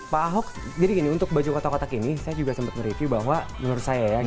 pak ahok jadi gini untuk baju kotak kotak ini saya juga sempat mereview bahwa menurut saya ya